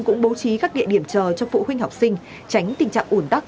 cũng bố trí các địa điểm chờ cho phụ huynh học sinh tránh tình trạng ủn tắc